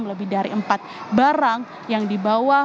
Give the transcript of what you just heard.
empat barang yang dibawa